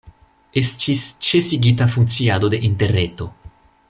Estis ĉesigita funkciado de Interreto.